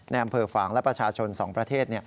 อำเภอฝางและประชาชน๒ประเทศ